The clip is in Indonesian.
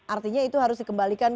artinya itu harus dikembalikan